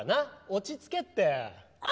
落ち着けって。